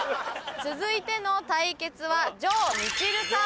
続いての対決は城みちるさん